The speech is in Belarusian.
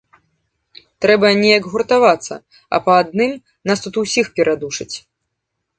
Трэба неяк гуртавацца, а па адным нас тут усіх перадушаць.